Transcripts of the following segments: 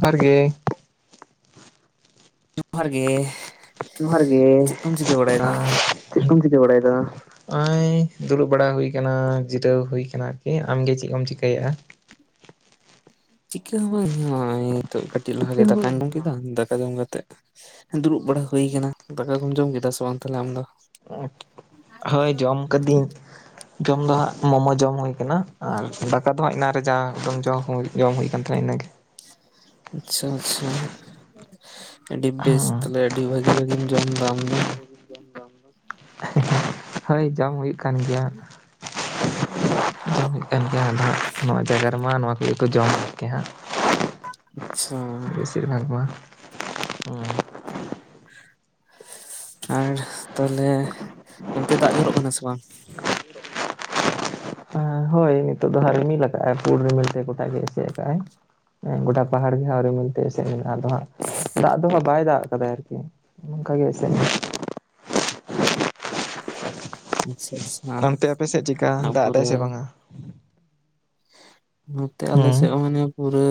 ᱡᱚᱦᱟᱨ ᱜᱮ ᱡᱚᱦᱟᱨ ᱜᱮ ᱡᱚᱦᱟᱨ ᱜᱮ ᱪᱮᱫ ᱠᱚᱢ ᱪᱤᱠᱟᱹ ᱵᱟᱲᱟᱭᱮᱫᱟ? ᱟᱸᱻ ᱪᱮᱛ ᱠᱚᱢ ᱪᱤᱠᱟᱹ ᱵᱟᱲᱟᱭ ᱫᱟ? ᱱᱚᱜ-ᱚᱭ ᱫᱩᱲᱩᱵ ᱵᱟᱲᱟ ᱦᱩᱭ ᱠᱟᱱᱟ ᱡᱤᱨᱟᱹᱣ ᱦᱩᱭ ᱠᱟᱱᱟ ᱟᱨᱠᱤ ᱟᱢᱜᱮ ᱪᱮᱫ ᱠᱚᱢ ᱪᱤᱠᱟᱹᱭᱮᱜᱼᱟ? ᱪᱤᱠᱟᱹ ᱦᱚᱸ ᱵᱟᱹᱝ ᱤᱧ ᱦᱚᱸ ᱱᱤᱛᱚᱜ ᱠᱟᱹᱴᱤᱡ ᱞᱟᱦᱟ ᱪᱤᱠᱟᱹ ᱜᱮ ᱦᱚᱸ ᱫᱟᱠᱟᱧ ᱡᱚᱢ ᱵᱟᱝ ᱠᱮᱫᱟ [inaudible] ᱠᱮᱫᱟ ᱫᱟᱠᱟ ᱡᱚᱢ ᱠᱟᱛᱮᱫ ᱫᱩᱲᱩᱵ ᱵᱟᱲᱟ ᱦᱩᱭ ᱟᱠᱟᱱᱟ ᱫᱟᱠᱟ ᱠᱚᱢ ᱡᱚᱢ ᱠᱮᱫᱟ ᱥᱮ ᱵᱟᱝ ᱛᱟᱦᱞᱮ ᱟᱢ ᱫᱚ? ᱦᱳᱭ ᱡᱚᱢ ᱠᱟᱹᱫᱤᱧ ᱡᱚᱢ ᱫᱚ ᱦᱟᱸᱜ ᱢᱳᱢᱳ ᱡᱚᱢ ᱦᱩᱭ ᱠᱟᱱᱟ᱾ ᱟᱨ ᱫᱟᱠᱟ ᱫᱚ ᱦᱟᱸᱜ ᱤᱱᱟᱱᱨᱮ ᱡᱟ ᱫᱚᱢ ᱡᱚᱢ ᱦᱚᱸ ᱡᱚᱢ ᱦᱩᱭ ᱠᱟᱱ ᱛᱟᱦᱮᱱᱟ ᱤᱱᱟᱹᱜᱮ ᱟᱪᱪᱷᱟ ᱟᱪᱪᱷᱟ ᱟᱹᱰᱤ ᱵᱮᱥ ᱛᱚᱵᱮ ᱟᱹᱰᱤ ᱵᱷᱟᱜᱤ ᱵᱷᱟᱜᱤᱢ ᱡᱚᱢ ᱫᱟ ᱟᱢ ᱫᱚ ᱦᱟᱹᱭ ᱡᱚᱢ ᱦᱩᱭᱩᱜ ᱠᱟᱱ ᱜᱮᱭᱟ ᱦᱩᱭᱩᱜ ᱠᱟᱱ ᱜᱮᱭᱟ ᱱᱚᱣᱟ ᱡᱟᱭᱜᱟ ᱨᱮᱢᱟ ᱱᱚᱣᱟ ᱱᱤᱭᱟ ᱠᱚ ᱡᱚᱢ ᱠᱮ ᱦᱟᱸᱜ ᱟᱪᱪᱷᱟ [unintelligible] ᱟᱨ ᱛᱟᱦᱚᱞᱮ ᱚᱱᱛᱮ ᱫᱟᱜ ᱡᱚᱨᱚᱜ ᱠᱟᱱᱟ ᱥᱮ ᱵᱟᱝ? ᱦᱮᱸ ᱱᱤᱛᱚᱜ ᱫᱚ ᱦᱟᱸᱜ ᱨᱤᱢᱤᱞ ᱟᱠᱟᱼ ᱟᱭ ᱯᱩᱨ ᱨᱤᱢᱤᱞ ᱛᱮ ᱜᱚᱴᱟᱜ ᱮᱥᱮᱫ ᱟᱠᱟᱜᱼᱟᱭ ᱜᱚᱴᱟ ᱯᱟᱦᱟᱲ ᱜᱮ ᱦᱟᱸᱜ ᱨᱤᱢᱤᱞ ᱛᱤᱥ ᱨᱮ ᱢᱮᱱᱟᱜᱼᱟ ᱟᱫᱚ ᱦᱟᱸᱜ ᱫᱟᱜ ᱫᱚ ᱦᱟᱸᱜ ᱵᱟᱭ ᱫᱟᱜ ᱟᱠᱟᱫᱟ ᱟᱨᱠᱤ ᱚᱱᱠᱟᱜ ᱜᱮ ᱮᱥᱮᱫ ᱟᱪᱪᱷᱟ ᱟᱪᱪᱷᱟ ᱚᱱᱛᱮ ᱟᱯᱮ ᱥᱮᱫ ᱪᱮᱫᱠᱟ ᱟᱵᱚ ᱫᱟᱜ ᱮᱫᱟᱭ ᱥᱮ ᱨᱮᱱ ᱵᱟᱝᱟ? ᱱᱚᱛᱮ ᱟᱞᱮ ᱥᱮᱫ ᱦᱩᱸ ᱦᱚᱸ ᱢᱟᱱᱮ ᱯᱩᱨᱟᱹ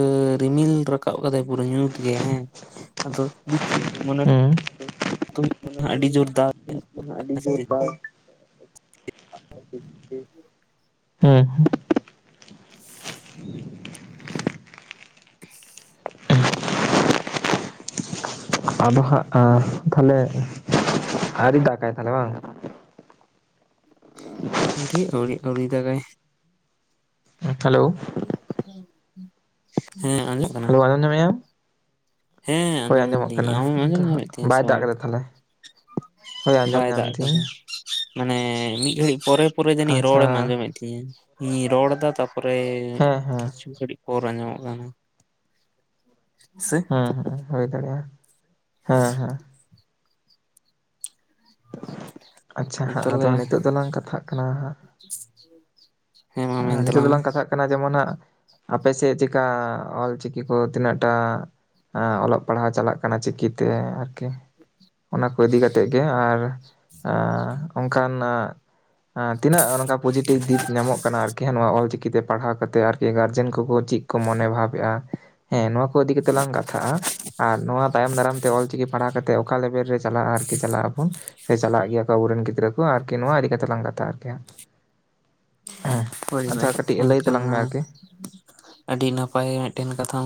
ᱨᱤᱢᱤᱞ ᱨᱟᱠᱟᱵ ᱟᱠᱟᱫᱟᱭ ᱯᱩᱨᱟᱹ ᱧᱩᱛ ᱜᱮ ᱦᱮᱸ᱾ ᱦᱩᱸ ᱟᱹᱰᱤ ᱡᱳᱨ [unintelligible] ᱫᱟᱜ [unintelligible] ᱟᱵᱚ ᱦᱟᱜ ᱛᱟᱦᱚᱞᱮ [unintelligible] ᱟᱣᱨᱤ ᱫᱟᱜᱼᱟᱭ ᱛᱟᱦᱞᱮ ᱵᱟᱝ ᱟᱹᱣᱨᱤ ᱟᱹᱣᱨᱤ ᱟᱹᱣᱨᱤ ᱫᱟᱜᱟᱭ ᱦᱮᱞᱳ ᱦᱮᱸ ᱟᱸᱡᱢᱚᱜ ᱠᱟᱱᱟ᱾ ᱦᱮᱞᱳ ᱟᱡᱚᱢ ᱧᱟᱢᱮᱼᱟᱢ ᱦᱮᱸ ᱟᱸᱡᱚᱢ ᱧᱟᱢᱫᱤᱧ ᱠᱟᱱᱟ ᱟᱢᱮᱢ ᱟᱫᱚ ᱟᱸᱡᱚᱢ ᱦᱟᱸᱜ ᱧᱟᱢᱮᱫ ᱛᱤᱧᱟᱹ ᱥᱮ ᱵᱟᱭ ᱫᱟᱜ ᱵᱟᱝ? ᱠᱟᱫᱟ ᱛᱟᱦᱞᱮ ᱦᱳᱭ ᱟᱸᱡᱚᱢ ᱵᱟᱭ ᱧᱟᱢ ᱫᱟᱜ ᱫᱤᱧ ᱠᱟᱫᱟ᱾ ᱢᱟᱱᱮ ᱢᱤᱫ ᱜᱷᱟᱹᱲᱤᱡ ᱯᱚᱨᱮ ᱯᱚᱨᱮ ᱡᱟᱹᱱᱤᱡ ᱨᱚᱲᱮᱢ ᱟᱪᱪᱷᱟ ᱟᱸᱡᱚᱢᱮᱫ ᱛᱤᱧᱟ ᱤᱧ ᱨᱚᱲ ᱫᱟ ᱛᱟ ᱯᱚᱨᱮ ᱦᱮᱸ ᱦᱮᱸ ᱠᱤᱪᱷᱩ ᱜᱷᱟᱹᱲᱤᱡ ᱯᱚᱨ ᱟᱸᱡᱚᱢᱚᱜ ᱠᱟᱱᱟ᱾ ᱥᱮ ᱦᱮᱸ ᱦᱮᱸ ᱦᱩᱭ ᱫᱟᱲᱮᱭᱟᱜᱼᱟ ᱦᱮᱸ ᱦᱮᱸ ᱟᱪᱪᱷᱟ ᱦᱟᱸᱜ ᱛᱟᱦᱚᱞᱮ ᱟᱫᱚ ᱱᱤᱛᱳᱜ ᱫᱚᱞᱟᱝ ᱠᱟᱛᱷᱟᱜ ᱠᱟᱱᱟ ᱦᱟᱸᱜ [inaudible] ᱢᱮᱱ ᱱᱤᱛᱚᱜ ᱛᱟᱞᱟᱝ ᱢᱮ ᱫᱚᱞᱟᱝ ᱠᱟᱛᱷᱟᱜ ᱠᱟᱱᱟ ᱡᱮᱢᱚᱱ ᱦᱟᱸᱜ ᱟᱯᱮ ᱥᱮᱫ ᱪᱮᱠᱟ ᱚᱞ ᱪᱤᱠᱤ ᱠᱚ ᱛᱤᱱᱟᱹᱜᱴᱟᱜ ᱚᱞᱚᱜ ᱯᱟᱲᱦᱟᱣ ᱪᱟᱞᱟᱜ ᱠᱟᱱᱟ ᱪᱤᱠᱤᱛᱮ ᱟᱨᱠᱤ ᱚᱱᱟ ᱠᱚ ᱤᱫᱤ ᱠᱟᱛᱮ ᱜᱮ, ᱟᱨ [unintelligible] ᱠᱟᱱᱟ ᱛᱤᱱᱟᱹᱜ ᱱᱚᱝᱠᱟ ᱯᱚᱡᱮᱴᱤᱵᱷ ᱫᱤᱯ ᱧᱟᱢᱚᱜ ᱠᱟᱱᱟ ᱟᱨᱠᱤ ᱦᱮᱸ ᱱᱚᱜ ᱚᱞᱪᱤᱠᱤᱛᱮ ᱯᱟᱲᱦᱟᱣ ᱠᱟᱛᱮᱫ ᱟᱨᱠᱤ ᱜᱟᱨᱡᱮᱱ ᱠᱚᱠᱚ ᱪᱮᱫ ᱠᱚ ᱢᱚᱱᱮ ᱵᱷᱟᱵ ᱮᱼᱟ ᱦᱮᱸ ᱱᱚᱣᱟ ᱠᱚ ᱠᱚ ᱤᱫᱤ ᱠᱟᱛᱮ ᱞᱟᱝ ᱠᱟᱛᱷᱟᱜᱼᱟ ᱟᱨ ᱱᱚᱣᱟ ᱛᱟᱭᱚᱢ ᱫᱟᱨᱟᱢ ᱛᱮ ᱚᱞ ᱪᱤᱠᱤ ᱯᱟᱲᱦᱟᱣ ᱠᱟᱛᱮ ᱚᱠᱟ ᱞᱮᱵᱮᱞ ᱨᱮ ᱛᱟᱦᱚᱞᱮ ᱟᱨᱠᱤ ᱪᱟᱞᱟᱜ ᱟᱵᱚᱱ ᱪᱟᱞᱟᱜ ᱜᱮᱭᱟ ᱠᱚ ᱟᱵᱚᱨᱮᱱ ᱜᱤᱫᱽᱨᱟᱹ ᱠᱚ ᱟᱨᱠᱤ ᱱᱚᱣᱟ ᱤᱫᱤ ᱠᱟᱛᱮ ᱞᱟᱝ ᱠᱟᱛᱷᱟᱼᱟ ᱟᱨᱠᱤ ᱦᱟᱜ᱾ ᱦᱳᱭ ᱟᱪᱪᱷᱟ ᱦᱳᱭ ᱠᱟᱹᱴᱤᱡ ᱞᱟᱹᱭ ᱮᱱᱠᱷᱟᱱ ᱛᱟᱞᱟᱝ ᱢᱮ ᱢᱟ ᱟᱨᱠᱤ ᱟᱹᱰᱤ ᱱᱟᱯᱟᱭ ᱢᱤᱫᱴᱮᱱ ᱠᱟᱛᱷᱟᱢ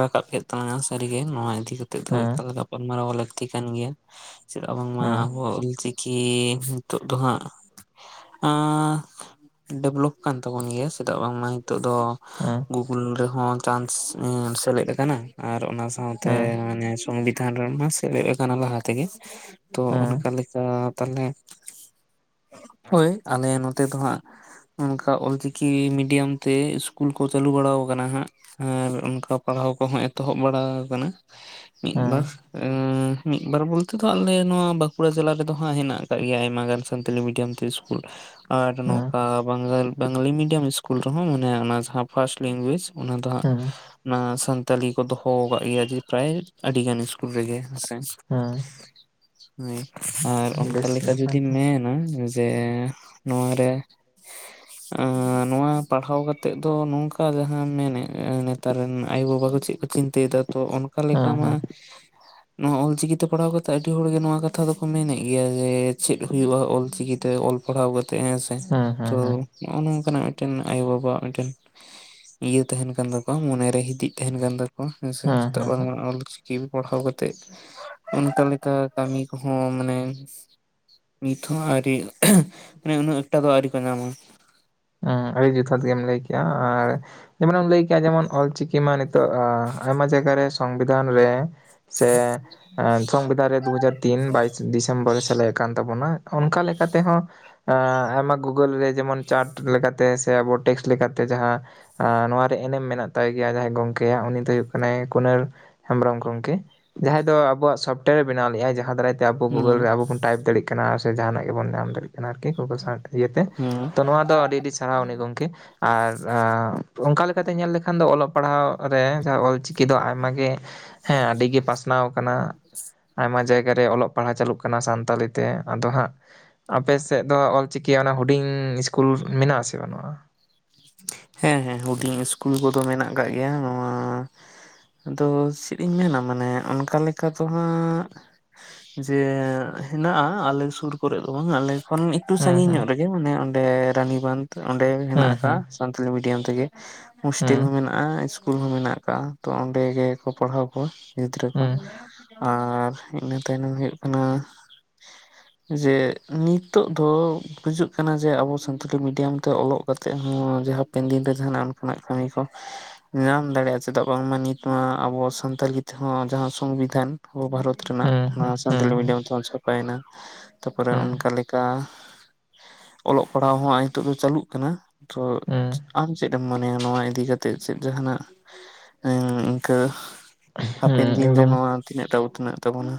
ᱨᱟᱠᱟᱵ ᱠᱮᱫ ᱛᱟᱞᱟᱝ-ᱟ ᱥᱟᱹᱨᱤᱜᱮ ᱱᱚᱣᱟ ᱤᱫᱤ ᱠᱟᱛᱮ ᱫᱚ ᱦᱮᱸ ᱮᱠᱟᱞ ᱜᱟᱯᱟᱞᱢᱟᱨᱟᱣ ᱞᱟᱹᱠᱛᱤ ᱠᱟᱱ ᱜᱮᱭᱟ᱾ ᱪᱮᱫᱟᱜ ᱵᱟᱝᱢᱟ ᱟᱵᱚ ᱚᱞᱪᱤᱠᱤ ᱱᱤᱛᱚᱜ ᱫᱚ ᱦᱟᱜ ᱰᱮᱵᱷᱞᱚᱯ ᱠᱟᱱ ᱛᱟᱵᱚᱱ ᱜᱮᱭᱟ ᱪᱮᱫᱟᱜ ᱵᱟᱝᱢᱟ ᱱᱤᱛᱚᱜ ᱫᱚ ᱜᱩᱜᱩᱞ ᱨᱮ ᱦᱚᱸ ᱪᱟᱱᱥ ᱥᱮᱞᱮᱫ ᱠᱟᱱᱟ᱾ ᱟᱨ ᱚᱱᱟ ᱥᱟᱶᱛᱮ ᱢᱟᱱᱮ ᱥᱚᱝᱵᱤᱫᱷᱟᱱ ᱨᱮᱢᱟ ᱥᱮᱞᱮᱫ ᱠᱟᱱᱟ ᱞᱟᱦᱟ ᱛᱮᱜᱮ ᱛᱚ ᱚᱱᱠᱟ ᱞᱮᱠᱟ ᱛᱟᱦᱟᱞᱮ ᱦᱳᱭ ᱟᱞᱮ ᱱᱚᱛᱮ ᱫᱚ ᱦᱟᱜ ᱚᱱᱠᱟ ᱚᱞᱪᱤᱠᱤ ᱢᱤᱰᱤᱭᱟᱢ ᱛᱮ ᱤᱥᱠᱩᱞ ᱠᱚ ᱪᱟᱹᱞᱩ ᱵᱟᱲᱟ ᱟᱠᱟᱱᱟ ᱦᱟᱸᱜ᱾ ᱟᱨ ᱚᱱᱠᱟ ᱯᱟᱲᱦᱟᱣ ᱠᱚᱦᱚᱸ ᱮᱛᱚᱦᱚᱵ ᱵᱟᱲᱟ ᱠᱟᱱᱟ᱾ ᱢᱤᱫ ᱵᱟᱨ ᱢᱤᱫ ᱵᱟᱨ ᱵᱚᱞᱛᱮ ᱫᱚ ᱟᱞᱮ ᱱᱚᱣᱟ ᱵᱟᱸᱠᱩ ᱵᱟᱸᱠᱩᱲᱟ ᱡᱮᱞᱟ ᱨᱮᱫᱚ ᱦᱟᱸᱜ ᱦᱮᱱᱟᱜ ᱟᱠᱟᱜ ᱜᱮᱭᱟ ᱟᱭᱢᱟ ᱜᱟᱱ ᱥᱟᱱᱛᱟᱞᱤ ᱢᱤᱰᱤᱭᱟᱢ ᱛᱮ ᱤᱥᱠᱩᱞ ᱟᱨ ᱵᱟᱝ ᱵᱟᱝᱟᱞᱤ ᱢᱤᱰᱤᱭᱟᱢ ᱤᱥᱠᱩᱞ ᱨᱮᱦᱚᱸ ᱢᱟᱱᱮ ᱚᱱᱟ ᱡᱟᱦᱟᱸ ᱯᱷᱟᱥᱴ ᱞᱮᱝᱜᱩᱭᱮᱡ ᱚᱱᱟ ᱫᱚ ᱦᱟᱸᱜ ᱚᱱᱟ ᱥᱟᱱᱛᱟᱞᱤ ᱠᱚ ᱫᱚᱦᱚ ᱠᱟᱜ ᱜᱮᱭᱟ ᱡᱮ ᱯᱨᱟᱭ ᱟᱹᱰᱤ ᱜᱟᱱ ᱤᱥᱠᱩ [unintelligible] ᱟᱨ ᱚᱱᱠᱟ ᱵᱮᱥ ᱞᱮᱠᱟ ᱱᱟᱯᱟᱭ ᱡᱩᱚᱫᱤᱢ ᱜᱮ ᱢᱮᱱᱟ ᱡᱮ ᱱᱚᱣᱟᱨᱮ [unintelligible] ᱱᱚᱣᱟ ᱯᱟᱲᱦᱟᱣ ᱠᱟᱛᱮᱜ ᱫᱚ ᱱᱚᱝᱠᱟ ᱡᱟᱦᱟᱸᱢ ᱢᱮᱱᱮᱫ ᱱᱮᱛᱟᱨ ᱨᱮᱱ ᱟᱭᱩ ᱵᱟᱵᱟ ᱠᱚ ᱪᱮᱫ ᱪᱤᱱᱛᱟᱹᱭᱮᱫᱟ ᱛᱚ ᱚᱱᱠᱟ ᱦᱩᱸ ᱞᱮᱠᱟ ᱢᱟ ᱦᱩᱸ ᱱᱚᱣᱟ ᱚᱞᱪᱤᱠᱤᱛᱮ ᱯᱟᱲᱦᱟᱣ ᱠᱟᱛᱮᱜ ᱟᱹᱰᱤ ᱦᱚᱲᱜᱮ ᱱᱚᱣᱟ ᱠᱟᱛᱷᱟ ᱫᱚᱠᱚ ᱢᱮᱱᱮᱫ ᱜᱮᱭᱟ ᱡᱮ ᱪᱮᱫ ᱦᱩᱭᱩᱜᱼᱟ ᱚᱞᱪᱤᱠᱤ ᱛᱮ ᱚᱞ ᱯᱟᱲᱦᱟᱣ ᱠᱟᱛᱮᱜ ᱦᱮᱸᱥᱮ ᱛᱚ ᱦᱩᱸ ᱦᱩᱸ ᱱᱚᱜᱼᱚ ᱱᱚᱝᱠᱟᱱᱟᱜ ᱢᱤᱫᱴᱮᱱ ᱟᱭᱳᱼᱵᱟᱵᱟᱣᱟᱜ ᱢᱤᱫᱴᱮᱱ ᱤᱭᱟᱹ ᱛᱟᱦᱮᱱ ᱠᱟᱱ ᱛᱟᱠᱚᱣᱟ ᱢᱚᱱᱮ ᱨᱮ ᱦᱤᱫᱤᱡ ᱛᱟᱦᱮᱱ ᱠᱟᱱ ᱛᱟᱠᱚᱣᱟ ᱦᱮᱸᱥᱮ ᱦᱩᱸ ᱦᱩᱸ ᱪᱮᱫᱟᱜ ᱦᱩᱸ ᱵᱟᱝ ᱚᱞ ᱪᱤᱠᱤ ᱯᱟᱲᱦᱟᱣ ᱠᱟᱛᱮᱜ ᱚᱱᱠᱟ ᱞᱮᱠᱟ ᱠᱟᱹᱢᱤ ᱠᱚᱦᱚᱸ ᱢᱟᱱᱮ ᱱᱤᱛᱦᱚᱸ ᱟᱹᱨᱤ ᱢᱟᱱᱮ ᱩᱱᱟᱹᱜ ᱮᱠᱴᱟ ᱫᱚ ᱟᱹᱣᱨᱤ ᱠᱚ ᱧᱟᱢᱟ ᱚ ᱟᱹᱰᱤ ᱡᱚᱛᱷᱟᱛ ᱜᱮᱢ ᱞᱟᱹᱭ ᱠᱮᱼᱟ ᱟᱨ ᱡᱮᱢᱚᱱᱮᱢ ᱞᱟᱹᱭ ᱠᱮᱜᱼᱟ ᱡᱮᱢᱚᱱ ᱚᱞᱪᱤᱠᱤ ᱢᱟ ᱱᱤᱛᱚᱜ ᱟᱭᱢᱟ ᱡᱟᱭᱜᱟ ᱨᱮ ᱥᱚᱝᱵᱤᱫᱷᱟᱱ ᱨᱮ ᱥᱮ ᱥᱚᱝᱵᱤᱫᱷᱟᱱ ᱨᱮ ᱫᱩᱦᱟᱡᱟᱨ ᱛᱤᱱ ᱵᱟᱭᱤᱥ ᱰᱤᱥᱮᱢᱵᱚᱨ ᱥᱮᱞᱮᱫ ᱠᱟᱱ ᱛᱟᱵᱚᱱᱟ ᱚᱱᱠᱟ ᱞᱮᱠᱟ ᱛᱮᱦᱚᱸ ᱮ ᱟᱭᱢᱟ ᱜᱩᱜᱳᱞ ᱨᱮ ᱡᱮᱢᱚᱱ ᱪᱟᱴ ᱞᱮᱠᱟᱛᱮ ᱥᱮ ᱟᱵᱚ ᱴᱮᱠᱥ ᱞᱮᱠᱟᱛᱮ ᱡᱟᱦᱟᱸ ᱟ ᱱᱚᱣᱟᱨᱮ ᱮᱱᱮᱢ ᱢᱮᱱᱟᱜ ᱛᱟᱭ ᱜᱮᱭᱟ ᱡᱟᱦᱟᱸᱭ ᱜᱚᱝᱠᱮ ᱭᱟᱜ ᱩᱱᱤ ᱫᱚᱭ ᱦᱩᱭᱩᱜ ᱠᱟᱱᱟᱭ ᱠᱩᱱᱟᱹᱨ᱾ ᱦᱮᱢᱵᱨᱚᱢ ᱜᱚᱝᱠᱮ ᱡᱟᱦᱟᱸᱭ ᱫᱚ ᱟᱵᱚᱣᱟᱜ ᱥᱚᱯᱴᱮᱭᱟᱨ ᱮ ᱵᱮᱱᱟᱣ ᱞᱮᱜᱟᱭ ᱡᱟᱦᱟᱸ ᱫᱟᱨᱟᱭ ᱛᱮ ᱟᱵᱚ ᱜᱩᱜᱳᱞ ᱦᱩᱸ ᱨᱮ ᱟᱵᱚ ᱵᱚᱱ ᱴᱟᱭᱤᱯ ᱫᱟᱲᱮᱭᱟᱜ ᱠᱟᱱᱟ ᱥᱮ ᱡᱟᱦᱱᱟᱜ ᱜᱮᱵᱚᱱ ᱧᱟᱢ ᱫᱟᱲᱮᱭᱟᱜ ᱠᱟᱱᱟ ᱟᱨᱠᱤ ᱜᱩᱜᱚᱞ ᱥᱟᱴ ᱤᱭᱟᱹᱛᱮ ᱦᱩᱸ ᱛᱚ ᱱᱚᱣᱟ ᱫᱚ ᱰᱤ ᱰᱤ ᱥᱟᱨᱦᱟᱣ ᱩᱱᱤ ᱜᱚᱝᱠᱮ ᱟᱨ ᱚᱱᱠᱟ ᱞᱮᱠᱟᱛᱮ ᱧᱮᱞ ᱞᱮᱠᱷᱟᱱ ᱫᱚ ᱚᱞᱚᱜ ᱯᱟᱲᱦᱟᱣ ᱨᱮ ᱡᱟᱦᱟᱸ ᱚᱞ ᱪᱤᱠᱤ ᱫᱚ ᱟᱭᱢᱟ ᱜᱮ ᱦᱮᱸ ᱟᱹᱰᱤ ᱜᱮ ᱯᱟᱥᱱᱟᱣ ᱟᱠᱟᱱᱟ ᱟᱭᱢᱟ ᱡᱟᱭᱜᱟ ᱨᱮ ᱚᱞᱚᱜ ᱯᱟᱲᱦᱟᱣ ᱪᱟᱹᱞᱩᱜ ᱠᱟᱱᱟ ᱥᱟᱱᱛᱟᱲᱤ ᱛᱮ ᱟᱫᱚ ᱦᱟᱸᱜ ᱟᱯᱮᱥᱮᱫ ᱫᱚ ᱚᱞ ᱪᱤᱠᱤ ᱭᱟᱜ ᱚᱱᱟ ᱦᱩᱰᱤᱧ ᱤᱥᱠᱩᱞ ᱢᱮᱱᱟᱜ ᱟᱥᱮ ᱵᱟᱹᱱᱩᱜᱼᱟ? ᱦᱮᱸ ᱦᱮᱸ ᱦᱩᱰᱤᱧ ᱤᱥᱠᱩᱞ ᱠᱚᱫᱚ ᱢᱮᱱᱟᱜ ᱠᱟᱜ ᱜᱮᱭᱟ ᱱᱚᱣᱟ ᱟᱫᱚ ᱥᱤᱨᱤᱧ ᱢᱮᱱᱟ ᱢᱟᱱᱮ ᱚᱱᱠᱟ ᱞᱮᱠᱟ ᱫᱚ ᱦᱟᱸᱜ ᱡᱮ ᱦᱮᱱᱟᱜᱼᱟ ᱟᱞᱮ ᱥᱩᱨ ᱠᱚᱨᱮ ᱫᱚ ᱵᱟᱝ ᱟᱞᱮ ᱠᱷᱚᱱ ᱮᱠᱴᱩ ᱦᱩᱸ ᱥᱟᱺᱟᱹᱜᱤᱧ ᱦᱩᱸ ᱧᱚᱜ ᱨᱮᱜᱮ ᱢᱟᱱᱮ ᱚᱸᱰᱮ ᱨᱟᱱᱤ ᱵᱟᱸᱫᱷ ᱚᱸᱰᱮ ᱦᱮᱱᱟᱜ ᱟᱠᱟᱜᱼᱟ᱾ ᱦᱩᱸ ᱥᱟᱱᱛᱟᱞᱤ ᱢᱤᱰᱤᱭᱟᱢ ᱛᱮᱜᱮ ᱦᱥᱴᱮᱞ ᱦᱚᱸ ᱢᱮᱱᱟᱜ ᱟ ᱤᱥᱠᱩᱞ ᱦᱚᱸ ᱢᱮᱱᱟᱜ ᱠᱟᱜᱼᱟ ᱛᱚ ᱚᱸᱰᱮ ᱜᱮᱠᱚ ᱯᱟᱲᱦᱟᱣ ᱠᱚᱣᱟ ᱜᱤᱫᱽᱨᱟᱹ ᱠᱚ ᱦᱩᱸ ᱟᱨ ᱤᱱᱟᱹ ᱛᱟᱭᱱᱚᱢ ᱦᱩᱭᱩᱜ ᱠᱟᱱᱟ ᱡᱮ ᱱᱤᱛᱚᱜ ᱫᱚ ᱠᱩᱡᱩᱜ ᱠᱟᱱᱟ ᱡᱮ ᱟᱵᱚ ᱥᱟᱱᱛᱟᱞᱤ ᱢᱤᱰᱤᱭᱟᱢ ᱛᱮ ᱚᱞᱚᱜ ᱠᱟᱛᱮ ᱦᱚᱸ ᱡᱮ ᱦᱟᱯᱮᱱ ᱫᱤᱱ ᱨᱮ ᱡᱟᱦᱟᱱᱟ ᱚᱱᱠᱟᱱᱟᱜ ᱠᱟᱹᱢᱤ ᱠᱚ ᱧᱟᱢ ᱫᱟᱲᱮᱭᱟᱜᱼᱟ ᱪᱮᱫᱟᱜ ᱵᱟᱝᱢᱟ ᱱᱤᱛ ᱢᱟ ᱟᱵᱚ ᱥᱟᱱᱛᱟᱲᱤ ᱛᱮᱦᱚᱸ ᱡᱟᱦᱟᱸ ᱥᱚᱝᱵᱤᱫᱷᱟᱱ ᱟᱵᱚ ᱵᱷᱟᱨᱚᱛ ᱨᱮᱱᱟᱜ ᱦᱩᱸ ᱚᱱᱟ ᱦᱩᱸ ᱦᱩᱸ ᱦᱩᱸ ᱥᱟᱱᱛᱟᱲᱤ ᱢᱤᱰᱤᱭᱟᱢ ᱛᱮ ᱚᱞ ᱪᱷᱟᱯᱟᱭᱮᱱᱟ ᱛᱟᱨᱯᱚᱨᱮ ᱦᱩᱸ ᱚᱱᱠᱟ ᱞᱮᱠᱟ ᱚᱞᱚᱜ ᱯᱟᱲᱦᱟᱣ ᱦᱚᱸ ᱟᱭ ᱱᱤᱛᱚᱜ ᱫᱚ ᱪᱟᱹᱞᱩᱜ ᱠᱟᱱᱟ ᱛᱚ ᱦᱩᱸ ᱦᱩᱸ ᱟᱢ ᱪᱮᱫ ᱮᱢ ᱢᱚᱱᱮᱭᱟ ᱱᱚᱣᱟ ᱤᱫᱤ ᱠᱟᱛᱮᱜ ᱪᱮᱫ ᱡᱟᱦᱟᱱᱟᱜ ᱤᱱᱠᱟᱹ ᱦᱩᱸ ᱦᱟᱯᱮᱱ ᱫᱤᱱ ᱨᱮ ᱮᱠᱫᱚᱢ ᱱᱚᱣᱟ ᱛᱤᱱᱟᱹᱜ ᱴᱟ ᱩᱛᱱᱟᱹᱜ ᱛᱟᱵᱚᱱᱟ?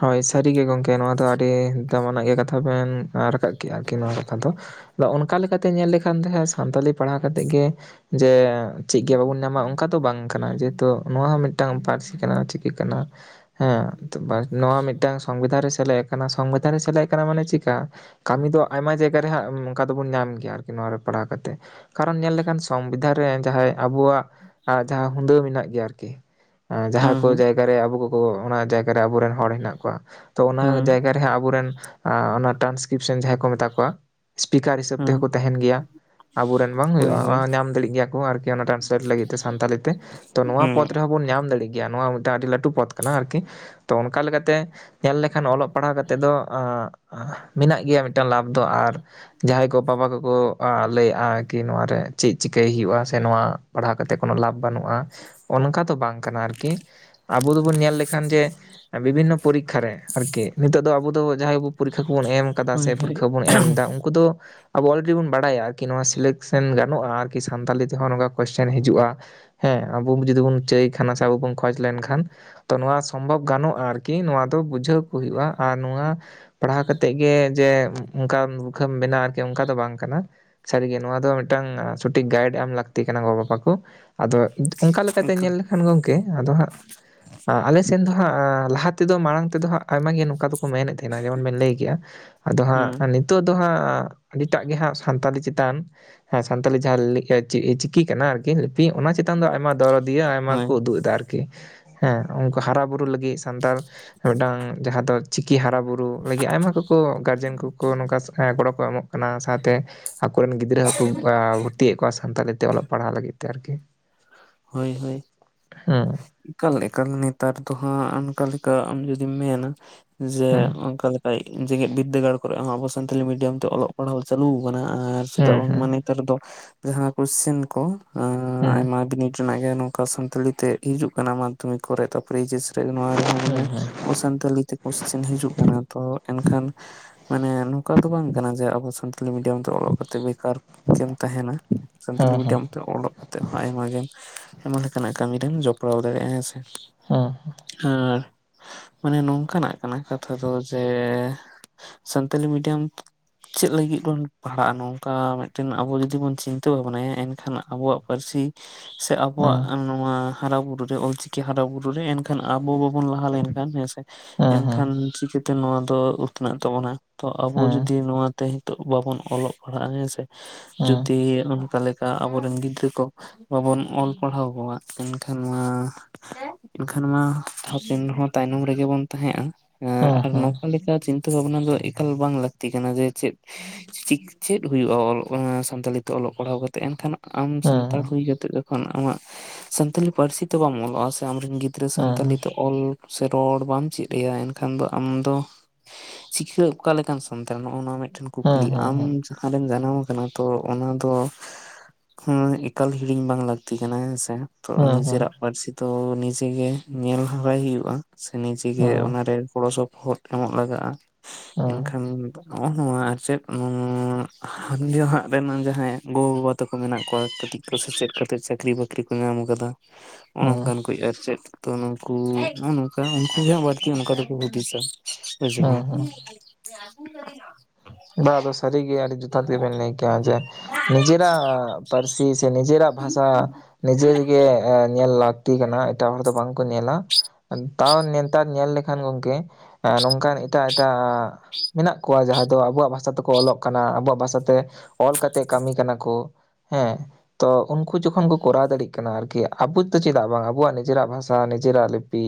ᱦᱳᱭ ᱥᱟᱹᱨᱤ ᱜᱮ ᱜᱚᱝᱠᱮ ᱱᱚᱣᱟ ᱫᱚ ᱟᱹᱰᱤ ᱫᱟᱢᱟᱱᱟᱜ ᱜᱮ ᱠᱟᱛᱷᱟ ᱵᱮᱱ ᱨᱟᱠᱟᱵ ᱠᱮᱜᱼᱟ ᱟᱨᱠᱤ ᱱᱚᱣᱟᱫᱚ ᱟᱫᱚ ᱚᱱᱠᱟ ᱞᱮᱠᱟᱛᱮ ᱧᱮᱞ ᱞᱮᱠᱷᱟᱱ ᱛᱟᱦᱮᱸ ᱥᱟᱱᱛᱟᱞᱤ ᱯᱟᱲᱦᱟᱣ ᱠᱟᱛᱮᱜ ᱜᱮ ᱡᱮ ᱪᱮᱫ ᱜᱮ ᱵᱟᱵᱚᱱ ᱧᱟᱢᱟ ᱚᱱᱠᱟ ᱫᱚ ᱵᱟᱝ ᱠᱟᱱᱟ ᱡᱮᱦᱮᱛᱩ ᱱᱚᱣᱟ ᱦᱚᱸ ᱢᱤᱫᱴᱟᱝ ᱯᱟᱹᱨᱥᱤ ᱠᱟᱱᱟ ᱪᱤᱠᱟᱹ ᱠᱟᱱᱟ ᱦᱮᱸ ᱛᱚᱵᱟ ᱱᱚᱣᱟ ᱢᱤᱫᱴᱟᱝ ᱥᱚᱝᱵᱤᱫᱷᱟᱱ ᱨᱮ ᱥᱮᱞᱮᱫ ᱟᱠᱟᱱᱟ ᱥᱚᱝᱵᱤᱫᱷᱟᱱ ᱨᱮ ᱥᱮᱞᱮᱫ ᱟᱠᱟᱱᱟ ᱢᱟᱱᱮ ᱪᱤᱠᱟ ᱠᱟᱹᱢᱤ ᱫᱚ ᱟᱭᱢᱟ ᱡᱟᱜ ᱮᱛᱟ ᱨᱮᱦᱟᱜ ᱚᱱᱠᱟ ᱫᱚᱵᱚᱱ ᱧᱟᱢ ᱜᱮᱭᱟ ᱟᱨᱠᱤ ᱱᱚᱶᱟ ᱨᱮ ᱯᱟᱲᱦᱟᱣ ᱠᱟᱛᱮ ᱠᱟᱨᱚᱱ ᱧᱮᱞ ᱞᱮᱠᱷᱟᱱ ᱥᱚᱝᱵᱤᱫᱷᱟᱱ ᱨᱮ ᱡᱟᱦᱟᱸᱭ ᱟᱵᱚᱣᱟᱜ ᱡᱟᱦᱟᱸ ᱦᱩᱫᱟᱹ ᱢᱮᱱᱟᱜ ᱜᱮᱭᱟ ᱟᱨᱠᱤ ᱡᱟᱦᱟᱸ ᱦᱩᱸ ᱠᱚ ᱦᱩᱸ ᱡᱟᱭᱜᱟᱼᱼ ᱜᱟᱨᱮ ᱟᱵᱚ ᱠᱚ ᱠᱚ ᱚᱱᱟ ᱡᱟᱭᱜᱟ ᱨᱮ ᱟᱵᱚ ᱨᱮᱱ ᱦᱚᱲ ᱦᱮᱱᱟᱜ ᱠᱚᱣᱟ ᱛᱚ ᱚᱱᱟ ᱦᱩᱸ ᱡᱟᱭᱜᱟ ᱨᱮᱦᱟᱸ ᱟᱵᱚ ᱨᱮᱱᱼᱼ ᱚᱱᱟ ᱴᱨᱟᱱᱥᱠᱨᱤᱯᱥᱚᱱ ᱡᱟᱦᱟᱸᱭ ᱠᱚ ᱢᱮᱛᱟ ᱠᱚᱣᱟ ᱥᱯᱤᱠᱟᱨ ᱦᱤᱥᱟᱹᱵ ᱛᱮ ᱦᱩᱸ ᱦᱚᱸ ᱠᱚ ᱛᱟᱦᱮᱱ ᱜᱮᱭᱟ᱾ ᱟᱵᱚ ᱨᱮᱱ ᱵᱟᱝ ᱦᱳᱭ ᱦᱳᱭ ᱦᱩᱭᱩᱜᱼᱟ ᱧᱟᱢ ᱫᱟᱲᱮᱜ ᱜᱮᱭᱟ ᱠᱚ ᱟᱨᱠᱤ ᱚᱱᱟ ᱴᱨᱟᱱᱥᱞᱮᱴ ᱞᱟᱹᱜᱤᱫ ᱛᱮ ᱥᱟᱱᱛᱟᱞᱤ ᱛᱮᱼᱼ ᱛᱚ ᱱᱚᱣᱟ ᱦᱩᱸ ᱯᱚᱫ ᱨᱮ ᱦᱚᱸ ᱵᱚᱱ ᱧᱟᱢ ᱫᱟᱲᱮ ᱜᱮᱭᱟ ᱱᱚᱣᱟᱼᱼ ᱟᱹᱰᱤ ᱞᱟᱹᱴᱩ ᱯᱚᱫ ᱠᱟᱱᱟ ᱟᱨᱠᱤ ᱛᱚ ᱚᱱᱠᱟ ᱞᱮᱠᱟ ᱛᱮ ᱧᱮᱞ ᱞᱮᱠᱷᱟᱱ ᱚᱞᱚᱜ ᱯᱟᱲᱦᱟᱣ ᱠᱟᱛᱮ ᱫᱚᱼᱼ ᱢᱮᱱᱟᱜ ᱜᱮᱭᱟ ᱢᱤᱫᱴᱟᱝ ᱞᱟᱵᱷ ᱫᱚ ᱟᱨ ᱡᱟᱦᱟᱸᱭ ᱠᱚ ᱵᱟᱵᱟ ᱠᱚ ᱠᱚᱼᱼ ᱞᱟᱹᱭ ᱟᱜᱼᱟ ᱠᱤ ᱱᱚᱣᱟ ᱨᱮ ᱪᱮᱫ ᱪᱤᱠᱟᱹᱭ ᱦᱩᱭᱩᱜᱼᱟ ᱥᱮ ᱱᱚᱣᱟᱼᱼ ᱯᱟᱲᱦᱟᱣ ᱠᱟᱛᱮᱫ ᱠᱚᱱᱚ ᱞᱟᱵᱷ ᱵᱟᱹᱱᱩᱜᱼᱟ ᱚᱱᱠᱟ ᱫᱚ ᱵᱟᱝ ᱠᱟᱱᱟ ᱟᱨᱠᱤᱼᱼ ᱟᱵᱚ ᱫᱚ ᱵᱚᱱ ᱧᱮᱞ ᱞᱮᱠᱷᱟᱱ ᱡᱮ, ᱵᱤᱵᱷᱤᱱᱱᱚ ᱯᱚᱨᱤᱠᱠᱷᱟ ᱨᱮ ᱟᱨᱠᱤ ᱱᱤᱛᱚᱜ ᱫᱚ ᱟᱵᱚ ᱫᱚ ᱡᱟᱦᱟᱸᱭ ᱟᱵᱚ ᱯᱚᱨᱤᱠᱠᱷᱟ ᱠᱚ ᱵᱚᱱ ᱮᱢ ᱟᱠᱟᱫᱟ ᱦᱳᱭ ᱥᱮ ᱦᱳᱭ ᱯᱚᱨᱤᱠᱠᱷᱟᱼᱼ ᱮᱢᱫᱟ ᱩᱱᱠᱩ ᱫᱚ ᱟᱵᱚ ᱚᱞ ᱜᱮ ᱵᱚᱱ ᱵᱟᱲᱟᱭᱟ ᱟᱨᱠᱤ ᱱᱚᱣᱟ ᱥᱤᱞᱮᱴᱼᱼ ᱥᱮᱱ᱾ᱜᱟᱱᱚᱜᱼᱟ ᱟᱨᱠᱤ ᱥᱟᱱᱛᱟᱞᱤ ᱛᱮ ᱦᱚᱸ ᱱᱚᱝᱠᱟ ᱠᱚᱥᱪᱮᱱ ᱦᱤᱡᱩᱜᱼᱟ ᱦᱮᱸ ᱟᱵᱚ ᱡᱩᱫᱤ ᱵᱚᱱ ᱪᱟᱹᱭ ᱠᱷᱟᱱ ᱥᱮ ᱟᱵᱚ ᱵᱚᱱ ᱠᱷᱚᱡᱽ ᱞᱮᱱ ᱠᱷᱟᱱ ᱛᱚ ᱱᱚᱣᱟ ᱥᱚᱢᱵᱷᱚᱵ ᱜᱟᱱᱚᱜᱼᱟ ᱟᱨᱠᱤ ᱠᱤ ᱱᱚᱣᱟ ᱫᱚ ᱵᱩᱡᱷᱟᱹᱣ ᱠᱚ ᱦᱩᱭᱩᱜ-ᱟ ᱟᱨ ᱱᱚᱣᱟ ᱯᱟᱲᱦᱟᱣ ᱠᱟᱛᱮᱫ ᱜᱮ ᱡᱮ ᱚᱱᱠᱟᱱ [unintelligible] ᱢᱮᱱᱟᱜ-ᱟ ᱟᱨᱠᱤ ᱚᱱᱠᱟ ᱫᱚ ᱵᱟᱝ ᱠᱟᱱᱟ ᱾ ᱥᱟᱹᱨᱤ ᱜᱮ ᱱᱚᱣᱟ ᱫᱚ ᱢᱤᱫ ᱴᱟᱝ ᱥᱚᱴᱷᱤᱠ ᱜᱟᱭᱤᱰ ᱮᱢ ᱞᱟᱹᱠᱛᱤ ᱠᱟᱱᱟ ᱜᱚ ᱵᱟᱵᱟ ᱠᱚ ᱾ ᱟᱫᱚ ᱚᱱᱠᱟ ᱞᱮᱠᱟ ᱛᱮ ᱧᱮᱞ ᱞᱮᱠᱷᱟᱱ ᱜᱚᱢᱠᱮ ᱟᱫᱚ ᱦᱟᱸᱜ ᱟᱞᱮ ᱥᱮᱱ ᱫᱚ ᱦᱟᱸᱜ ᱼᱼ ᱞᱟᱦᱟ ᱛᱮ ᱫᱚ ᱢᱟᱲᱟᱝ ᱛᱮ ᱫᱚ ᱦᱟᱸᱜ ᱟᱭᱢᱟ ᱜᱮ ᱱᱚᱝᱠᱟ ᱫᱚ ᱠᱚ ᱢᱮᱱᱮᱫ ᱛᱟᱦᱮᱱᱟ ᱡᱮᱢᱚᱱ ᱵᱮᱱ ᱞᱟᱹᱭ ᱠᱮᱜ-ᱟ ᱟᱫᱚ ᱦᱟᱸᱜ ᱦᱩᱸ ᱼᱼ ᱱᱤᱛᱚᱜ ᱫᱚ ᱦᱟᱸᱜ ᱟᱹᱰᱤ ᱴᱟᱜ ᱜᱮ ᱦᱟᱸᱜ ᱥᱟᱱᱛᱟᱞᱤ ᱪᱮᱛᱟᱱ ᱼᱼ ᱦᱮᱸ ᱥᱟᱱᱛᱟᱞᱤ ᱡᱟᱦᱟᱸ [unintelligible] ᱪᱤᱠᱤ ᱠᱟᱱᱟ ᱟᱨᱠᱤᱼᱼ [unintelligible] ᱞᱤᱯᱤ ᱚᱱᱟ ᱪᱮᱛᱟᱱ ᱫᱚ ᱟᱭᱢᱟ ᱫᱚᱨᱚᱫᱤᱭᱟᱹ ᱟᱭᱢᱟ ᱦᱳᱭ ᱠᱚ ᱩᱫᱩᱜ ᱮᱫᱟ ᱟᱨᱠᱤ ᱾ ᱦᱮᱸ ᱩᱱᱠᱩ ᱦᱟᱨᱟ ᱵᱩᱨᱩ ᱞᱟᱹᱜᱤᱫ ᱥᱟᱱᱛᱟᱲ ᱢᱤᱫ ᱴᱟᱝ ᱡᱟᱦᱟᱸ ᱫᱚ ᱪᱤᱠᱤ ᱦᱟᱨᱟ ᱵᱩᱨᱩ ᱾ [unintelligible] ᱞᱟᱹᱜᱤᱫ ᱟᱭᱢᱟ ᱠᱚ ᱠᱚ ᱜᱟᱨᱡᱮᱱ ᱠᱚ ᱠᱚ ᱱᱚᱝᱠᱟ ᱜᱚᱲᱚ ᱠᱚ ᱮᱢᱚᱜ ᱠᱟᱱᱟ ᱥᱟᱶ ᱛᱮ ᱼᱼ ᱟᱠᱚ ᱨᱮᱱ ᱜᱤᱫᱽᱨᱟᱹ ᱦᱚᱸ ᱠᱚ ᱵᱷᱚᱨᱛᱤᱭ ᱮᱫ ᱠᱚᱣᱟ ᱥᱟᱱᱛᱟᱞᱤ ᱛᱮ ᱚᱞᱚᱜ ᱯᱟᱲᱦᱟᱜ ᱞᱟᱹᱜᱤᱫ ᱛᱮ ᱟᱨᱠᱤ ᱾ ᱦᱳᱭ ᱦᱳᱭ ᱦᱩᱸ ᱮᱠᱟᱞ ᱮᱠᱟᱞ ᱱᱮᱛᱟᱨ ᱫᱚ ᱦᱟᱸᱜ ᱚᱱᱠᱟ ᱞᱮᱠᱟ ᱟᱢ ᱡᱩᱫᱤᱢ ᱢᱮᱱᱟ ᱡᱮ ᱦᱮᱸ ᱚᱱᱠᱟ ᱞᱮᱠᱟ ᱼᱼ ᱡᱮᱜᱮᱛ ᱵᱤᱫᱽᱫᱟᱹᱜᱟᱲ ᱠᱚ ᱨᱮ ᱦᱚᱸ ᱟᱵᱚ ᱥᱟᱱᱛᱟᱞᱤ ᱢᱤᱰᱤᱭᱟᱢ ᱛᱮ ᱚᱞᱚᱜ ᱯᱟᱲᱦᱟᱣ ᱪᱟᱹᱞᱩ ᱟᱠᱟᱱᱟ ᱟᱨ ᱪᱮᱫᱟᱜ ᱦᱮᱸ ᱵᱟᱝ ᱦᱮᱸ ᱢᱟᱱᱮ ᱼᱼ ᱱᱮᱛᱟᱨ ᱫᱚ ᱡᱟᱦᱟᱸ ᱠᱚᱥᱪᱮᱱ ᱠᱚ ᱦᱮᱸ ᱟᱭᱢᱟ ᱵᱤᱱᱤᱰ ᱨᱮᱱᱟᱜ ᱜᱮ ᱱᱚᱝᱠᱟ ᱥᱟᱱᱛᱟᱲᱤ ᱛᱮ ᱼᱼ ᱦᱤᱡᱩᱜ ᱠᱟᱱᱟ ᱢᱟᱫᱽᱫᱷᱚᱢᱤᱠ ᱠᱚ ᱨᱮ ᱛᱟᱨᱯᱚᱨᱮ ᱮᱭᱤᱪᱮᱥ ᱨᱮ ᱱᱚᱣᱟ ᱨᱮ ᱦᱚᱸ ᱟᱱᱮ ᱦᱮᱸ ᱟᱵᱚ ᱥᱟᱱᱛᱟᱞᱤ ᱛᱮ ᱼᱼ ᱠᱚᱥᱪᱮᱱ ᱦᱤᱡᱩᱜ ᱠᱟᱱᱟ ᱛᱚ ᱮᱱᱠᱷᱟᱱ ᱼᱼ ᱢᱟᱱᱮ ᱱᱚᱝᱠᱟ ᱫᱚ ᱵᱟᱝ ᱠᱟᱱᱟ ᱡᱮ ᱟᱵᱚ ᱥᱟᱱᱛᱟᱞᱤ ᱢᱤᱰᱤᱭᱟᱢ ᱛᱮ ᱚᱞᱚᱜ ᱠᱟᱛᱮ ᱵᱮᱠᱟᱨ ᱜᱮᱢ ᱛᱟᱦᱮᱱᱟ ᱾ ᱥᱟᱱᱛᱟᱞᱤ ᱦᱮᱸ ᱦᱮᱸ ᱦᱮᱸ ᱦᱮᱸ ᱦᱮᱸ ᱦᱮᱸ ᱦᱮᱸ ᱦᱮᱸ ᱦᱮᱸ ᱦᱮᱸ ᱦᱮᱸ ᱦᱮᱸ ᱦᱮᱸ ᱦᱮᱸ ᱦᱮᱸ ᱦᱮᱸ ᱦᱮᱸ ᱦᱮᱸ ᱢᱤᱰᱤᱭᱟᱢ ᱛᱮ ᱚᱞᱚᱜ ᱠᱟᱛᱮᱜ ᱦᱚᱸ ᱟᱭᱢᱟ ᱜᱮ ᱟᱭᱢᱟ ᱞᱮᱠᱟᱱᱟᱜ ᱠᱟᱹᱢᱤ ᱨᱮᱢ ᱡᱚᱯᱲᱟᱣ ᱫᱟᱲᱮᱭᱟᱜ-ᱟ ᱦᱮᱸ ᱥᱮᱼᱼ ᱦᱮᱸ ᱢᱟᱱᱮ ᱱᱚᱝᱠᱟᱱᱟᱜ ᱠᱟᱱᱟ ᱠᱟᱛᱷᱟ ᱫᱚ ᱡᱮ ᱥᱟᱱᱛᱟᱞᱤ ᱢᱤᱰᱤᱭᱟᱢᱼᱼ ᱪᱮᱫ ᱞᱟᱹᱜᱤᱫ ᱵᱚᱱ ᱯᱟᱲᱦᱟᱜᱼᱟ ᱱᱚᱝᱠᱟ ᱢᱤᱫᱴᱮᱱ ᱟᱵᱚ ᱡᱩᱫᱤ ᱵᱚᱱ ᱪᱤᱱᱛᱟᱹ ᱵᱷᱟᱵᱱᱟᱭᱟ ᱮᱱᱠᱷᱟᱱ ᱟᱵᱚᱣᱟᱜ ᱯᱟᱹᱨᱥᱤᱼᱼ ᱥᱮ ᱟᱵᱚᱣᱟᱜ ᱱᱚᱣᱟ ᱼᱼ ᱦᱟᱨᱟ ᱵᱩᱨᱩ ᱨᱮ ᱚᱞ ᱪᱤᱠᱤ ᱦᱟᱨᱟ ᱵᱩᱨᱩ ᱨᱮ ᱮᱱᱠᱷᱟᱱ ᱟᱵᱚ ᱵᱟᱵᱚᱱ ᱞᱟᱦᱟ ᱞᱮᱱ ᱠᱷᱟᱱ ᱦᱮᱸ ᱥᱮ ᱾ ᱮᱱᱠᱷᱟᱱ ᱪᱤᱠᱟᱹ ᱛᱮ ᱱᱚᱣᱟ ᱫᱚ ᱩᱛᱱᱟᱹᱜ ᱛᱟᱵᱚᱱᱟ ᱛᱚ ᱟᱵᱚ ᱡᱩᱫᱤ ᱱᱚᱣᱟ ᱛᱮ ᱼᱼ ᱱᱤᱛᱚᱜ ᱵᱟᱵᱚᱱ ᱚᱞᱚᱜ ᱯᱟᱲᱦᱟᱜ-ᱟ ᱦᱮᱸ ᱥᱮ ᱦᱮᱸ ᱡᱩᱫᱤ ᱚᱱᱠᱟ ᱞᱮᱠᱟ ᱼᱼ ᱟᱵᱚ ᱨᱮᱱ ᱜᱤᱫᱽᱨᱟᱹ ᱠᱚ ᱵᱟᱵᱚᱱ ᱚᱞ ᱯᱟᱲᱦᱟᱣ ᱠᱚᱣᱟ [unintelligible] ᱮᱱᱠᱷᱟᱱ ᱢᱟ ᱮᱱᱠᱷᱟᱱ ᱢᱟ ᱦᱟᱯᱤᱱ ᱨᱮ ᱦᱚᱸ ᱛᱟᱭᱱᱚᱢ ᱨᱮᱜᱮ ᱵᱚᱱ ᱛᱟᱦᱮᱸᱜ-ᱟ ᱟᱨ ᱱᱚᱝᱠᱟ ᱞᱮᱠᱟ ᱪᱤᱱᱛᱟᱹ ᱵᱷᱟᱵᱽᱱᱟ ᱫᱚ ᱮᱠᱟᱞ ᱵᱟᱝ ᱞᱟᱹᱠᱛᱤ ᱠᱟᱱᱟ ᱡᱮ ᱪᱮᱫ ᱼᱼ [unintelligible] ᱪᱮᱫ ᱦᱩᱭᱩᱜ-ᱟ [unintelligible] ᱥᱟᱱᱛᱟᱲᱤ ᱛᱮ ᱚᱞᱚᱜ ᱯᱟᱲᱦᱟᱣ ᱠᱟᱛᱮ ᱮᱱᱠᱷᱟᱱ ᱼᱼ ᱟᱢ ᱥᱟᱱᱛᱟᱲ ᱦᱩᱭ ᱠᱟᱛᱮ ᱡᱚᱠᱷᱚᱱ ᱟᱢᱟᱜ ᱥᱟᱱᱛᱟᱞᱤ ᱯᱟᱹᱨᱥᱤ ᱛᱮ ᱵᱟᱢ ᱚᱞᱚᱜᱼᱟ ᱥᱮ ᱟᱢ ᱨᱤᱱ ᱜᱤᱫᱽᱨᱟᱹ ᱼᱼ ᱜᱤᱫᱽᱨᱟᱹ ᱥᱟᱱᱛᱟᱞᱤ ᱛᱮ ᱚᱞ ᱥᱮ ᱨᱚᱲ ᱵᱟᱢ ᱪᱮᱫ ᱟᱭᱟ ᱮᱱᱠᱷᱟᱱ ᱫᱚ ᱟᱢ ᱫᱚᱼᱼ ᱪᱤᱠᱟᱹ ᱚᱠᱟ ᱞᱮᱠᱟᱱ ᱥᱟᱱᱛᱟᱲ ᱱᱚᱜ-ᱚ ᱱᱚᱣᱟ ᱢᱤᱫᱴᱮᱱ ᱠᱩᱠᱞᱤ ᱟᱢ ᱼᱼ ᱡᱟᱦᱟᱸ ᱨᱮᱢ ᱡᱟᱱᱟᱢ ᱟᱠᱟᱱᱟ ᱛᱚ ᱚᱱᱟ ᱫᱚ ᱼᱼ ᱦᱮᱸ ᱮᱠᱟᱞ ᱦᱤᱲᱤᱧ ᱵᱟᱝ ᱞᱟᱹᱠᱛᱤ ᱠᱟᱱᱟ ᱦᱮᱸ ᱥᱮ ᱾ ᱛᱚ ᱱᱤᱡᱮᱨᱟᱜ ᱯᱟᱹᱨᱥᱤ ᱫᱚ ᱱᱤᱡᱮ ᱜᱮ ᱧᱮᱞ ᱦᱟᱨᱟᱭ ᱦᱩᱭᱩᱜᱼᱟ ᱾ ᱥᱮ ᱱᱤᱡᱮᱜᱮ ᱚᱱᱟᱨᱮ ᱜᱚᱲᱚ ᱥᱚᱯᱚᱦᱚᱫ ᱮᱢᱚᱜ ᱞᱟᱜᱟᱜᱼᱟ ᱮᱱᱠᱷᱟᱱᱼᱼ ᱱᱚᱜᱼᱚ ᱱᱚᱣᱟ ᱟᱨ ᱪᱮᱫ ᱱᱚᱣᱟᱜ ᱨᱮᱱᱟᱜ ᱡᱟᱦᱟᱸᱭ ᱜᱚ ᱵᱟᱵᱟ᱾ ᱠᱚ ᱢᱮᱱᱟᱜ ᱠᱚᱣᱟ ᱠᱟᱹᱴᱤᱡ ᱠᱚ ᱥᱮᱪᱮᱫ ᱠᱟᱛᱮᱫ ᱪᱟᱹᱠᱨᱤ ᱵᱟᱹᱠᱨᱤ ᱠᱚ ᱧᱟᱢ ᱟᱠᱟᱫᱟ ᱚᱱᱮ ᱦᱮᱸ ᱦᱮᱸ ᱚᱱᱠᱟᱱ ᱠᱚ᱾ ᱟᱨ ᱪᱮᱫᱚ ᱱᱩᱠᱩ ᱱᱚᱝᱠᱟ ᱩᱱᱠᱩ ᱦᱚ ᱵᱟᱹᱲᱛᱤ ᱚᱱᱠᱟ ᱫᱚᱠᱚ ᱦᱩᱫᱤᱥᱟ᱾ ᱦᱮᱸ ᱦᱮᱸ [unintelligible] ᱵᱟ ᱟᱫᱚ ᱥᱟᱹᱨᱤ ᱜᱮ ᱟᱨ ᱡᱚᱛᱷᱟᱛ ᱜᱮᱵᱮᱱ ᱞᱟᱹᱭ ᱠᱮᱜᱼᱟ ᱡᱮ ᱼᱼ ᱱᱤᱡᱮᱨᱟᱜ ᱯᱟᱹᱨᱥᱤ ᱥᱮ ᱱᱤᱡᱮᱨᱟᱜ ᱵᱷᱟᱥᱟ ᱱᱤᱡᱮ ᱛᱤᱜᱮ ᱧᱮᱞᱼᱼ ᱴᱤ ᱠᱟᱱᱟ ᱮᱴᱟᱜ ᱦᱚᱲ ᱫᱚ ᱵᱟᱝ ᱠᱚ ᱧᱮᱞᱟ᱾ ᱛᱟᱣ ᱱᱮᱛᱟᱨ ᱧᱮᱞ ᱞᱮᱠᱷᱟᱱ ᱜᱚᱢᱠᱮ ᱱᱚᱝᱠᱟᱱ ᱮᱴᱟᱜ᱾ ᱮᱴᱟ ᱢᱮᱱᱟᱜ ᱠᱚᱣᱟ ᱡᱟᱦᱟᱸ ᱫᱚ ᱟᱵᱚᱣᱟᱜ ᱵᱷᱟᱥᱟ ᱛᱮᱠᱚ ᱚᱞᱚᱜ ᱠᱟᱱᱟ ᱟᱵᱚᱣᱟᱜ ᱵᱷᱟᱥᱟ ᱛᱮᱼᱼ ᱚᱞ ᱠᱟᱛᱮᱜ ᱠᱟᱹᱢᱤ ᱠᱟᱱᱟ ᱠᱚ ᱦᱮᱸ ᱛᱚ ᱩᱱᱠᱩ ᱡᱚᱠᱷᱚᱱ ᱠᱚ ᱠᱚᱨᱟᱣ ᱫᱟᱲᱮᱭᱟᱜ ᱠᱟᱱᱟ ᱟᱨᱠᱤ ᱟᱵᱚ ᱫᱚ ᱪᱮᱫᱟᱜ ᱵᱟᱝ ᱟᱵᱚᱣᱟᱜ ᱱᱤᱡᱮᱨᱟᱜ ᱵᱷᱟᱥᱟ ᱱᱤᱡᱮᱨᱟᱜ ᱞᱤᱯᱤ᱾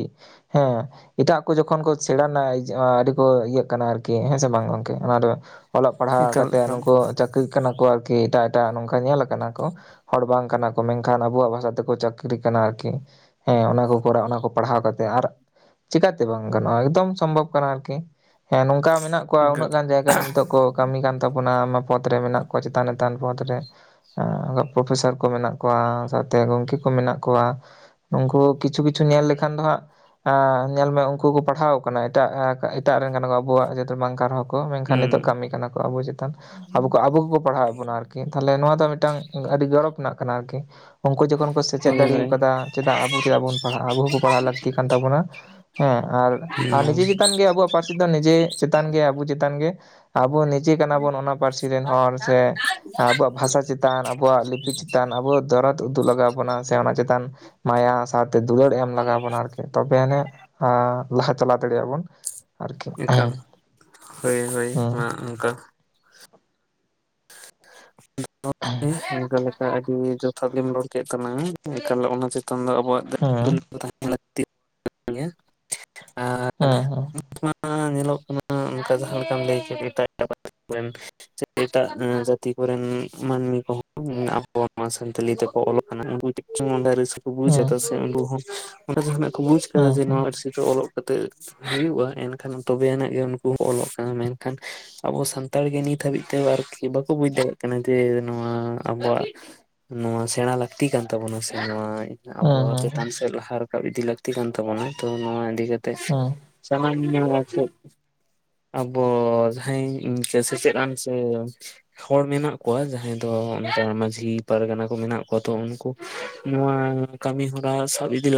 ᱦᱮᱸ ᱮᱴᱟᱜ ᱠᱚ ᱡᱚᱠᱷᱚᱱ ᱠᱚ ᱥᱮᱬᱟ ᱨᱮᱱᱟᱜ ᱟᱹᱰᱤ ᱠᱚ ᱤᱭᱟᱹᱜ ᱠᱟᱱᱟ ᱟᱨᱠᱤ ᱦᱮᱸ ᱥᱮ ᱵᱟᱝ ᱜᱚᱝᱠᱮ? ᱟᱨ ᱚᱞᱚᱜ ᱯᱟᱲᱦᱟᱜ ᱮᱠᱟᱞ ᱠᱟᱛᱮᱫ ᱮᱠᱟᱞ ᱱᱩᱠᱩ ᱪᱟᱹᱠᱨᱤ ᱠᱟᱱᱟ ᱠᱚ ᱟᱨᱠᱤ ᱮᱴᱟᱜ ᱮᱴᱟᱜ ᱱᱚᱝᱠᱟ ᱧᱮᱞᱼᱼ ᱠᱚ ᱦᱚᱲ ᱵᱟᱝ ᱠᱟᱱᱟ ᱠᱚ ᱢᱮᱱᱠᱷᱟᱱ ᱟᱵᱚᱣᱟᱜ ᱵᱷᱟᱥᱟ ᱛᱮᱠᱚ ᱪᱟᱹᱠᱨᱤ ᱠᱟᱱᱟ ᱟᱨᱠᱤ, ᱦᱮᱸ ᱚᱱᱟ ᱠᱚ ᱠᱚᱨᱟᱣ ᱚᱱᱟ ᱠᱚ ᱯᱟᱲᱦᱟᱣ ᱠᱟᱛᱮᱜ ᱟᱨ ᱪᱮᱠᱟᱛᱮ ᱵᱟᱝ ᱜᱟᱱᱚᱜᱼᱟᱼᱼ ᱚᱠᱫᱚᱢ ᱥᱚᱢᱵᱷᱚᱵ ᱠᱟᱱᱟ᱾ ᱟᱨᱠᱤ ᱦᱮᱸ ᱱᱚᱝᱠᱟ ᱢᱮᱱᱟᱜ ᱠᱚᱣᱟ ᱩᱱᱟᱹᱜ ᱮᱠᱟᱞ ᱜᱟᱱ ᱡᱟᱭᱜᱟ ᱨᱮ ᱱᱤᱛᱚᱜ ᱠᱚ ᱠᱟᱹᱢᱤ ᱠᱟᱱ ᱛᱟᱵᱚᱱᱟᱼᱼ ᱯᱚᱫ ᱨᱮ ᱢᱮᱱᱟᱜ ᱠᱚᱣᱟ ᱪᱮᱛᱟᱱ ᱪᱮᱛᱟᱱ ᱯᱚᱫ ᱨᱮ, ᱯᱨᱚᱯᱷᱮᱥᱟᱨ ᱠᱚ ᱢᱮᱱᱟᱜ ᱠᱚᱣᱟ ᱥᱟᱶᱛᱮ ᱜᱚᱢᱠᱮ ᱠᱚ ᱢᱮᱱᱟᱜ ᱠᱚᱣᱟ᱾ ᱱᱩᱝᱠᱩ ᱠᱤᱪᱷᱩ ᱠᱤᱪᱷᱩ ᱧᱮᱞ ᱞᱮᱠᱷᱟᱱ ᱫᱚ ᱦᱟᱸᱜᱼᱼ ᱧᱮᱞ ᱢᱮ ᱩᱱᱠᱩ ᱠᱚ ᱯᱟᱲᱦᱟᱣ ᱟᱠᱟᱱᱟ ᱮᱴᱟᱜ ᱮᱴᱟᱜ ᱨᱮᱱ ᱠᱟᱱᱟ ᱠᱚ ᱟᱵᱚᱣᱟᱜ ᱡᱟᱹᱛ ᱵᱟᱝ ᱠᱟᱱ ᱨᱮᱦᱚᱸ ᱠᱚ ᱢᱮᱱᱠᱷᱟᱱ ᱦᱩᱸ ᱱᱤᱛᱚᱜ ᱠᱟᱹᱢᱤ ᱠᱟᱱᱟ ᱠᱚ ᱟᱵᱚ ᱪᱮᱛᱟᱱ ᱟᱵᱚ ᱠᱚ ᱟᱵᱚ ᱠᱚᱠᱚ ᱯᱟᱲᱦᱟᱣᱮᱫ ᱵᱚᱱᱟ ᱟᱨᱠᱤ ᱛᱟᱦᱞᱮ ᱱᱚᱣᱟ ᱫᱚ ᱢᱤᱫᱴᱟᱝ ᱟᱹᱰᱤ ᱜᱚᱨᱚᱵᱽ ᱨᱮᱱᱟᱜ ᱠᱟᱱᱟ ᱟᱨᱠᱤ᱾ ᱩᱱᱠᱩ ᱡᱚᱠᱷᱚᱱ ᱠᱚ ᱥᱮᱪᱮᱫ ᱦᱳᱭ ᱦᱳᱭ ᱫᱟᱲᱮᱠᱟᱫᱟ ᱪᱮᱫᱟᱜ ᱟᱵᱚ ᱪᱮᱫᱟᱜ ᱵᱚᱱ ᱯᱟᱲᱦᱟᱜᱼᱟ ᱟᱵᱚ ᱦᱚᱸ ᱯᱟᱲᱦᱟᱜ ᱞᱟᱹᱠᱛᱤ ᱠᱟᱱ ᱛᱟᱵᱚᱱᱟᱼᱼ ᱦᱮᱸ ᱟᱨ ᱟᱨ ᱦᱩᱸ ᱱᱤᱡᱮ ᱪᱮᱛᱟᱱ ᱜᱮ ᱟᱵᱚᱣᱟᱜᱼᱼ ᱯᱟᱹᱨᱥᱤ ᱫᱚ ᱱᱤᱡᱮ ᱪᱮᱛᱟᱱ ᱜᱮ ᱟᱵᱚ ᱪᱮᱛᱟᱱ ᱜᱮ ᱟᱵᱚᱼᱼ ᱪᱮ ᱠᱟᱱᱟ ᱵᱚᱱ ᱚᱱᱟ ᱯᱟᱹᱨᱥᱤ ᱨᱮᱱ ᱦᱚᱲ ᱥᱮᱼᱼ ᱟᱵᱚᱣᱟᱜ ᱵᱷᱟᱥᱟ ᱪᱮᱛᱟᱱ ᱟᱵᱚᱣᱟᱜ ᱞᱤᱯᱤ ᱪᱮᱛᱟᱱ ᱟᱵᱚᱣᱟᱜ ᱫᱚᱨᱚᱫᱼᱼ ᱩᱫᱩᱜ ᱞᱟᱜᱟᱣ ᱵᱚᱱᱟ ᱥᱮ ᱚᱱᱟ ᱪᱮᱛᱟᱱ ᱢᱟᱭᱟ ᱥᱟᱶᱛᱮ ᱫᱩᱞᱟᱹᱲ ᱮᱢ ᱞᱟᱜᱟᱣ ᱵᱚᱱᱟ ᱟᱨᱠᱤ᱾ ᱛᱚᱵᱮ ᱟᱱᱤᱡ ᱞᱟᱦᱟ ᱪᱟᱞᱟᱣ ᱫᱟᱲᱮ ᱭᱟᱜ ᱵᱚᱱ ᱟᱨᱠᱤ᱾ ᱮᱠᱟᱞ ᱦᱳᱭ ᱦᱳᱭ ᱦᱮᱸ ᱢᱟ ᱚᱱᱠᱟ᱾ [unintelligible] ᱚᱱᱠᱟ ᱞᱮᱠᱟ ᱟᱹᱰᱤ ᱡᱚᱛᱷᱟᱛ ᱜᱮᱢ ᱨᱚᱲ ᱠᱮᱫ ᱛᱟᱞᱟᱝᱟ ᱮᱱᱠᱟᱞ ᱚᱱᱟ ᱪᱮᱛᱟᱱ ᱫᱚ ᱟᱵᱚᱣᱟᱜᱼᱼ ᱦᱮᱸ [unintelligible] ᱞᱟᱹᱠᱛᱤ ᱠᱟᱱ ᱛᱟᱵᱚᱱᱟ ᱜᱮᱭᱟ ᱟᱨ ᱦᱮᱸ [unintelligible] [inaudible] ᱮᱴᱟᱜ ᱡᱟᱛᱤ ᱠᱚᱨᱮᱱ ᱢᱟᱹᱱᱢᱤ ᱠᱚᱦᱚᱸ ᱟᱵᱚ ᱥᱟᱱᱛᱟᱞᱤ ᱛᱮᱠᱚ ᱚᱞᱚᱜ ᱠᱟᱱᱟ [unintelligible] ᱵᱩᱡᱟ ᱠᱚ ᱦᱮᱸ ᱥᱮ ᱩᱱᱠᱩ ᱦᱚᱸ ᱚᱸᱰᱮ ᱡᱟᱦᱟᱱᱟᱜ ᱠᱚ ᱵᱩᱡ ᱦᱮᱸ ᱟᱠᱟᱫᱟ ᱦᱮᱸ ᱡᱮ ᱱᱚᱶᱟ ᱯᱟᱹᱨᱥᱤ ᱫᱚ ᱚᱞᱚᱜᱼᱼ ᱠᱟᱛᱮ ᱦᱩᱭᱩᱜᱼᱟ ᱮᱱᱠᱷᱟᱱ ᱛᱚᱵᱮ ᱟᱱᱟᱜ ᱜᱮ ᱩᱱᱠᱩ ᱚᱞᱚᱜ ᱠᱟᱱᱟ ᱢᱮᱱᱠᱷᱟᱱᱼᱼ ᱟᱵᱚ ᱥᱟᱱᱛᱟᱲ ᱜᱮ ᱱᱤᱛ ᱦᱟᱹᱵᱤᱡ ᱛᱮ ᱟᱨᱠᱤ ᱵᱟᱠᱚ ᱵᱩᱡ ᱫᱟᱲᱮᱭᱟᱜ ᱠᱟᱱᱟ ᱡᱮ ᱱᱚᱣᱟ ᱟᱵᱚᱣᱟᱜᱼᱼ ᱱᱚᱣᱟ ᱥᱮᱬᱟ ᱞᱟᱹᱠᱛᱤ ᱠᱟᱱ ᱛᱟᱵᱚᱱᱟ ᱥᱮ ᱱᱚᱣᱟᱼᱼ ᱟᱵᱚ ᱦᱮᱸ ᱦᱮᱸ ᱦᱮᱸ ᱪᱮᱛᱟᱱ ᱥᱮᱫ ᱞᱟᱦᱟ ᱨᱟᱠᱟᱵ ᱤᱫᱤ ᱞᱟᱹᱠᱛᱤ ᱠᱟᱱ ᱛᱟᱵᱚᱱᱟ ᱛᱚ ᱱᱚᱣᱟ ᱤᱫᱤ ᱠᱟᱛᱮ ᱦᱮᱸ ᱥᱟᱢᱟᱱᱱᱳ ᱟᱨ ᱪᱮᱫ? ᱟᱵᱚ ᱡᱟᱦᱟᱸᱭ ᱥᱮᱪᱮᱫ ᱟᱱ ᱥᱮᱼᱼ ᱦᱚᱲ ᱢᱮᱱᱟᱜ ᱠᱚᱣᱟ ᱡᱟᱦᱟᱸᱭ ᱫᱚ ᱚᱱᱛᱮ ᱢᱟᱹᱡᱷᱤ ᱯᱟᱨᱜᱟᱱᱟ ᱠᱚ ᱢᱮᱱᱟᱜ ᱠᱚᱣᱟ ᱛᱚ ᱩᱱᱠᱩ ᱱᱚᱣᱟᱼᱼ ᱠᱟᱹᱢᱤ ᱦᱟ ᱨᱟ ᱥᱟᱵ ᱤᱫᱤᱼᱼ